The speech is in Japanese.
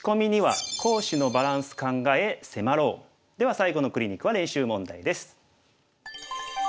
では最後のクリニックは練習問題です。